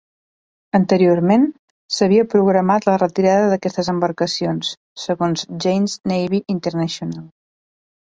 Anteriorment, s'havia programat la retirada d'aquestes embarcacions, segons Jane's Navy International.